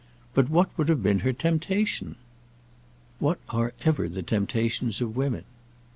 But what would have been her temptation?" "What are ever the temptations of women?"